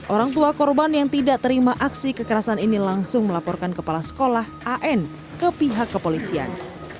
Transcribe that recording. orang tua korban yang tidak terima aksi kekerasan ini langsung melaporkan kepala sekolah an ke pihak kepolisian